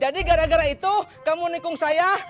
jadi gara gara itu kamu nikung saya